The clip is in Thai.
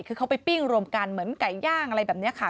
คือเขาไปปิ้งรวมกันเหมือนไก่ย่างอะไรแบบนี้ค่ะ